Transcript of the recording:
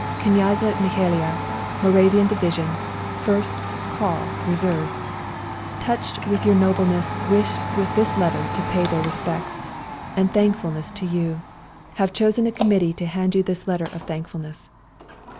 ' Knjaza Michaila,' Moravian Division, 1st (Call) Reserves ; touched with your nobleness, wish with this letter to pay their respects — and thankfulness to you ; have chosen 226 WE GO TO CORFU a committee to hand to you this letter of thankfuhiess.